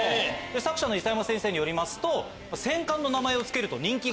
作者の諫山先生によりますと。